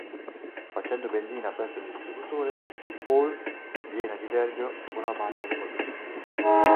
Facendo benzina presso un distributore, Paul viene a diverbio con una banda di motociclisti.